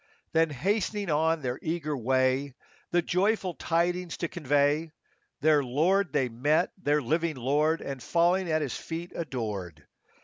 Then hastening on their eager way, The joyful tidings to convey, Their Lord they met, their living Lord, And falling at His feet adored.